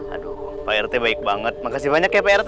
aduh prt baik banget makasih banyak ya prt